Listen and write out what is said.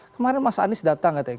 kemarin mas anies datang katanya